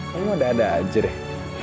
kamu udah ada aja deh